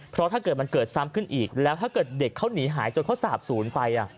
เพราะถ้าเกิดมันเกิดซ้ำขึ้นอีกแล้วถ้าเกิดเด็กเขาหนีหายจนเขาสาบศูนย์ไป